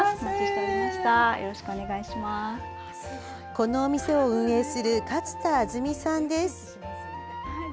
この店を運営する勝田亜純さんです。